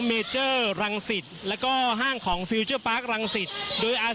ผู้สื่อข่าวชนะทีวีจากฟิวเจอร์พาร์ครังสิตเลยนะคะ